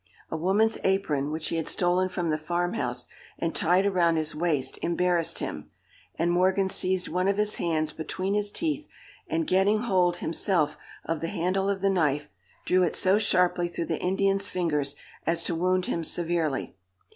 A woman's apron, which he had stolen from the farm house, and tied around his waist, embarrassed him; and Morgan seized one of his hands between his teeth, and, getting hold, himself, of the handle of the knife, drew it so sharply through the Indian's fingers, as to wound him severely.